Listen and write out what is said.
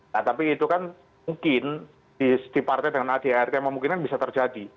nah tapi itu kan mungkin di partai dengan adart memungkinkan bisa terjadi